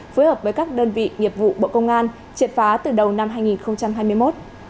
phối hợp với các đơn vị nghiệp vụ bộ công an triệt phá từ đầu năm hai nghìn hai mươi một